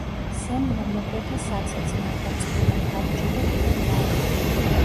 სემმა მოკვეთა საცეცი, მაგრამ წყლიდან გამოჩნდა კიდევ მრავალი.